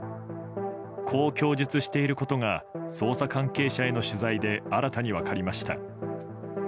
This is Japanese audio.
こう供述していることが捜査関係者への取材で新たに分かりました。